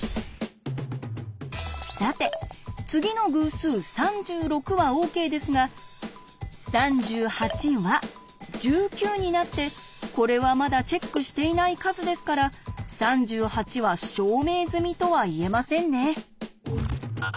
さて次の偶数３６はＯＫですが３８は１９になってこれはまだチェックしていない数ですから３８は証明済みとは言えませんね。